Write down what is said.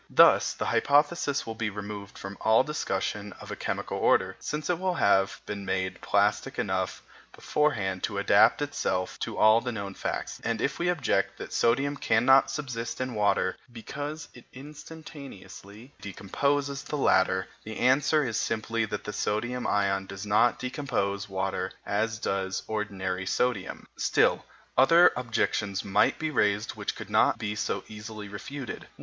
Thus the hypothesis will be removed from all discussion of a chemical order, since it will have been made plastic enough beforehand to adapt itself to all the known facts; and if we object that sodium cannot subsist in water because it instantaneously decomposes the latter, the answer is simply that the sodium ion does not decompose water as does ordinary sodium. Still, other objections might be raised which could not be so easily refuted.